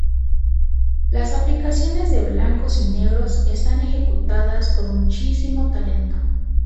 Las aplicaciones de blancos y negros están ejecutadas con muchísimo talento.